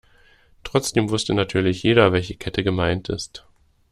Trotzdem wusste natürlich jeder, welche Kette gemeint ist.